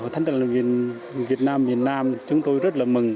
thánh tinh lành việt nam việt nam chúng tôi rất là mừng